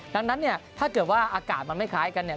ดังนั้นเนี่ยถ้าเกิดว่าอากาศมันไม่คล้ายกันเนี่ย